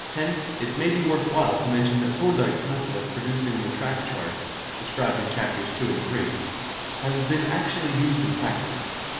Hence it may be worth while to mention that Thorndyke's method of producing the track chart, described in Chapters II and III, has been actually used in practice.